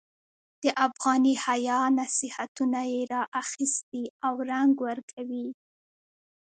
د افغاني حیا نصیحتونه یې را اخیستي او رنګ ورکوي.